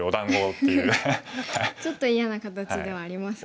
ちょっと嫌な形ではありますか。